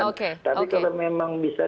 tapi kalau memang bisa dibicarakan baik baik